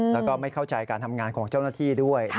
แล้วก็ไม่เข้าใจการทำงานของเจ้าหน้าที่ด้วย